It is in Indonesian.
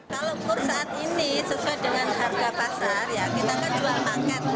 kalau kur saat ini sesuai dengan harga pasar ya kita kan jual paket